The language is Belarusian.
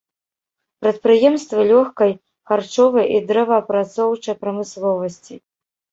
Прадпрыемствы лёгкай, харчовай і дрэваапрацоўчай прамысловасці.